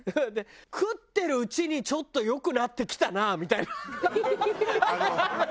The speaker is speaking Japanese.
食ってるうちにちょっと良くなってきたなみたいな。